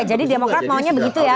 jadi demokrat maunya begitu ya